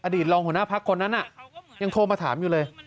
รองหัวหน้าพักคนนั้นยังโทรมาถามอยู่เลย